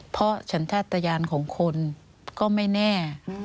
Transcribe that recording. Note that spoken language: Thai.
เพราะฉันธาตยานของคนก็ไม่แน่